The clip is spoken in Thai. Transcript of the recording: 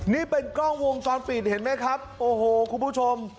นี่เป็นกล้องวงจรปิดเห็นไหมครับโอ้โหคุณผู้ชม